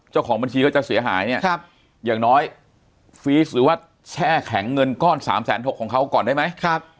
เจ้าของบัญชีก็จะเสียหายเนี่ยอย่างน้อยฟีสหรือว่าแช่แข็งเงินก้อน๓๖๐๐ของเขาก่อนได้ไหม